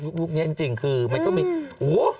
ยุคนี้จริงคือมันก็มีโอ้